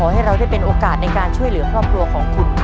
ให้เราได้เป็นโอกาสในการช่วยเหลือครอบครัวของคุณ